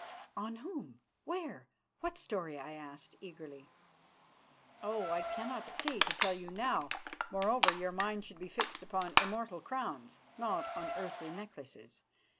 "On whom? Where? What story?" I asked eagerly. "Oh! I cannot stay to tell you now. Moreover, your mind should be fixed upon immortal crowns, and not on earthly necklaces.